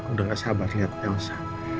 udah gak sabar lihat elsa